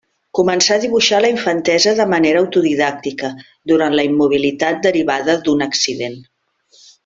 Començà a dibuixar a la infantesa de manera autodidàctica, durant la immobilitat derivada d'un accident.